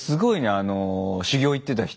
あの修行行ってた人